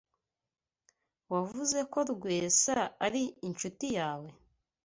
Wavuze ko Rwesa ari inshuti yawe?